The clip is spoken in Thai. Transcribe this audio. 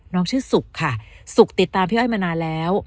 ชื่อสุกค่ะสุกติดตามพี่อ้อยมานานแล้ว